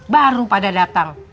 baru pada datang